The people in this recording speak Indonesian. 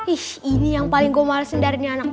ih ini yang paling gua malesin dari anak